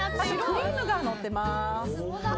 クリームがのっています。